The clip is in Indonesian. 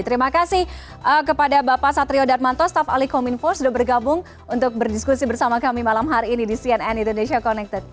terima kasih kepada bapak satrio darmanto staff ali kominfo sudah bergabung untuk berdiskusi bersama kami malam hari ini di cnn indonesia connected